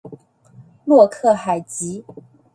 洛克海吉。